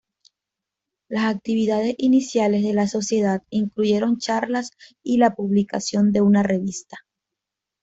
Las actividades iniciales de la sociedad incluyeron charlas y la publicación de una revista.